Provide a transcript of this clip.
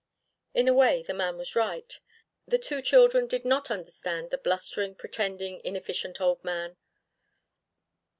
In a way the man was right. The two children did not understand the blustering, pretending, inefficient old man.